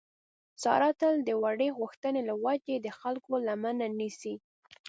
ساره تل د وړې غوښتنې له وجې د خلکو لمنه نیسي.